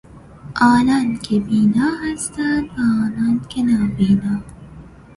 آنان که بینا هستند و آنان که نابینا